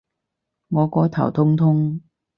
我個頭痛痛